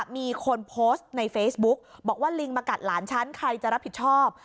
มีคนโพสต์ในเฟซบุ๊กบอกว่าลิงมากัดหลานฉันใครจะรับผิดชอบ